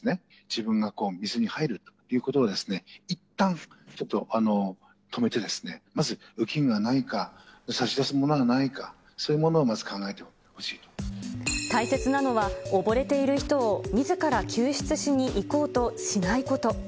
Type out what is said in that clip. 自分が水に入るということを、いったんちょっと止めてですね、まず浮きがないか、差し出すものはないか、大切なのは、溺れている人をみずから救出しにいこうとしないこと。